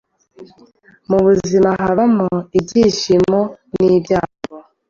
Mu buzima habamo ibyishimo n’ibyago.